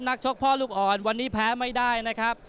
ชกพ่อลูกอ่อนวันนี้แพ้ไม่ได้นะครับ